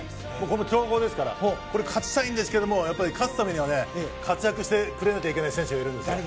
強豪ですから勝ちたいんですけど勝つためには活躍してくれなきゃいけない選手がいるんです。